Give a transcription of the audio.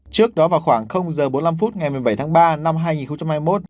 trước đó vào khoảng h bốn mươi năm phút ngày một mươi bảy tháng ba năm hai nghìn hai mươi một